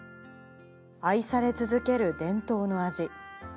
愛され続ける伝統の味。